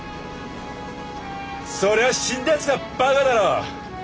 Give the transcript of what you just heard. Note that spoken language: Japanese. そりゃ死んだやつがばかだろ。